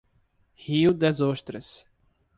Rio das Ostras